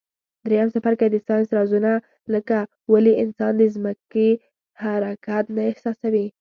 دویم څپرکی د ساینس رازونه لکه ولي انسان د ځمکي حرکت نه احساسوي.